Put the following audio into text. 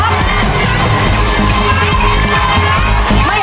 ไม่ออกไปครับ